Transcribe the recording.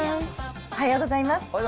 おはようございます。